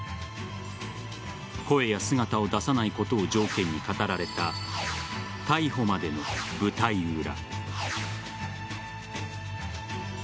声や姿を出さないことを条件に語られた逮捕までの舞台裏。